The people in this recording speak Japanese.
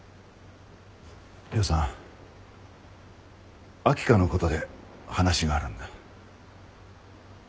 亮さん秋香のことで話があるんだ。